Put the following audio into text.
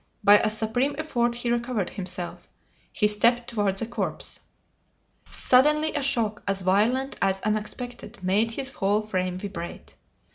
By a supreme effort he recovered himself. He stepped toward the corpse. Suddenly a shock as violent as unexpected made his whole frame vibrate!